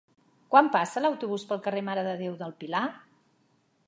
Quan passa l'autobús pel carrer Mare de Déu del Pilar?